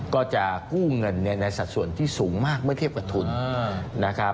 ก็จะกู้เงินในสัดส่วนที่สูงมากเมื่อเทียบกับทุนนะครับ